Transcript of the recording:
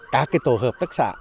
các tổ hợp tác xã